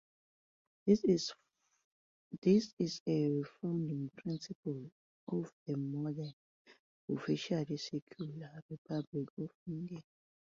This is a founding principle of the modern, officially secular, Republic of India.